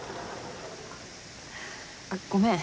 あっごめん。